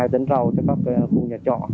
hai tấn rau cho các khu nhà trọ